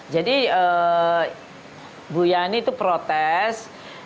jadi bu yani itu protes